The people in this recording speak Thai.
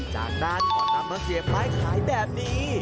จากนั้นก็นำมาเสียบไม้ขายแบบนี้